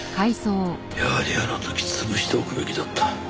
やはりあの時潰しておくべきだった。